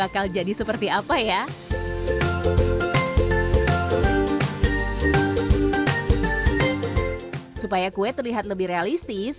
kue ini terlihat lebih realistis